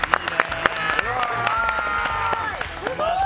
すごい！